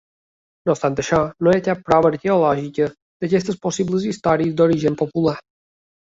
No obstant això, no hi ha cap prova arqueològica d'aquestes possibles històries d'origen popular.